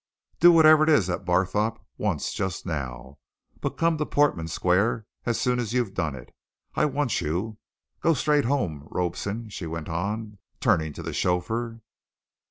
Do whatever it is that Barthorpe wants just now, but come on to Portman Square as soon as you've done it I want you. Go straight home, Robson," she went on, turning to the chauffeur.